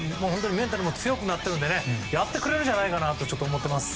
メンタルも強くなっているのでやってくれるんじゃないかなとちょっと思ってます。